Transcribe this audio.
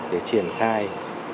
để triển khai